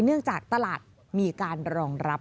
เนื่องจากตลาดมีการรองรับ